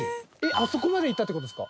あそこまで行ったって事ですか？